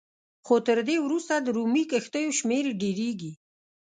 خو تر دې وروسته د رومي کښتیو شمېر ډېرېږي